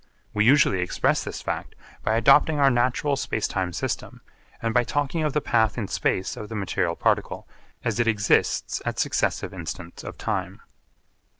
We usually express this fact by adopting our natural space time system and by talking of the path in space of the material particle as it exists at successive instants of time.